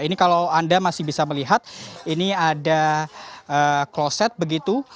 ini kalau anda masih bisa melihat ini ada kloset begitu